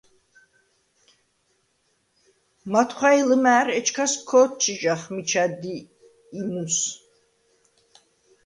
მათხუ̂ა̈ჲ ლჷმა̄̈რ, ეჩქას ქო̄თჩი̄ჟახ მიჩა დი ი მუს.